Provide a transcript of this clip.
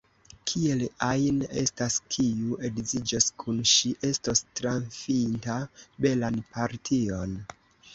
Kiel ajn estas, kiu edziĝos kun ŝi, estos trafinta belan partion.